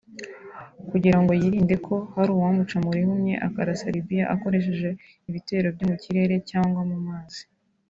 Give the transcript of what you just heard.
kugira ngo yirinde ko hari uwamuca mu rihumye akarasa Libya akoresheje ibitero byo mu kirere cyangwa mu mazi